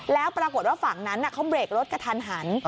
แล้วปรากฏว่าฝั่งนั้นเขาเบรกรถกระทันหัน